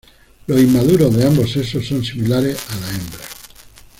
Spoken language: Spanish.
Los inmaduros de ambos sexos son similares a la hembra.